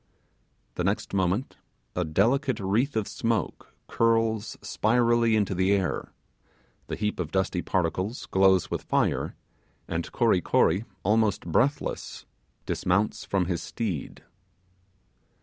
The next moment a delicate wreath of smoke curls spirally into the air, the heap of dusty particles glows with fire, and Kory Kory, almost breathless, dismounts from his steed.